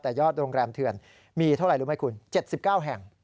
แต่ยอดโรงแรมเถื่อนมีเท่าไหร่รู้ไหมคุณ๗๙แห่ง